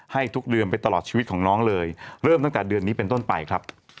ให้ทุกเดือนไปตลอดชีวิตของน้องเลยเริ่มตั้งแต่เดือนนี้เป็นต้นไปครับ